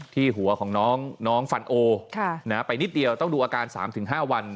ที่หัวของน้องฟันโอไปนิดเดียวต้องดูอาการ๓๕วัน